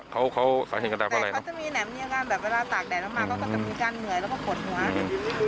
เขาก็จะมีการเหนื่อยแล้วก็ปวดหัว